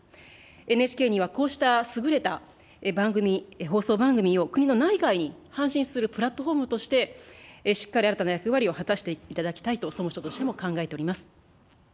ＮＨＫには、こうした優れた番組、放送番組を国の内外に配信するプラットフォームとして、しっかり新たな役割を果たしていただきたいと、総務省としても考えております。